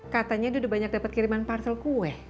katanya dia udah banyak dapet kiriman parcel kue